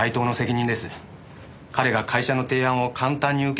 彼が会社の提案を簡単に受け入れたから。